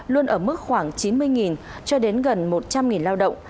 luôn ở mức khoảng chín mươi cho đến gần một trăm linh lao động